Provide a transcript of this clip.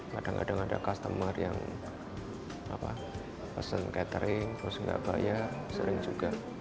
kadang kadang ada customer yang apa pesen katering terus gak bayar sering juga